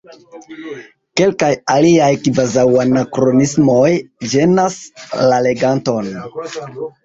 Kelkaj aliaj kvazaŭanakronismoj ĝenas la leganton.